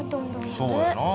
そうやなぁ。